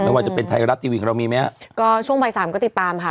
ไม่ว่าจะเป็นไทยรัสตีวิ่งเรามีไหมฮะก็ช่วงใบสามก็ติดตามค่ะ